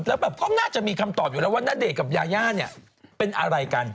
แล้วแบบก็น่าจะมีคำตอบอยู่แล้วว่าณเดชน์กับยาย่าเนี่ยเป็นอะไรกัน